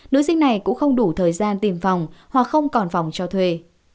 nữ sinh này cũng không đủ thời gian tìm phòng hoặc không còn phòng cho thuê